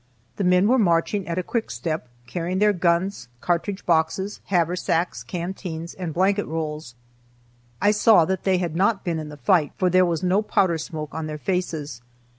The men were marching at a quick step, carrying their guns, cartridge boxes, haversacks, canteens, and blanket rolls. I saw that they had not been in the fight, for there was no powder smoke on their faces.